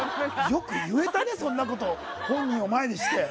よく言えたね、そんなこと本人を前にして。